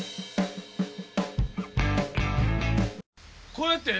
こうやって？